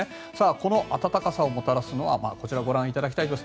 この暖かさをもたらすのはこちら、ご覧いただきたいです。